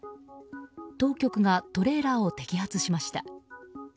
当局がトレーラーを摘発しました。